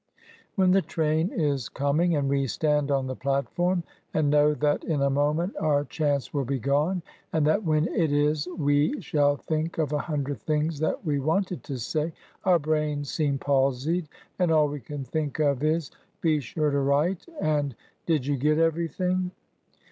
When the train is coming and we stand on the platform and know that in a moment our chance will be gone, and that when it is we shall think of a hundred things that we wanted to say, our brains seem palsied and all we can think of is " Be sure to write " and '' Did you get everything?